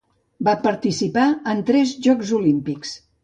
Va participar en tres Jocs Olímpics.